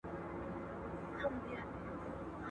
څه شی بازار له لوی ګواښ سره مخ کوي؟